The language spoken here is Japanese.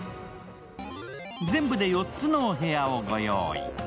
全部で４つのお部屋を御用意。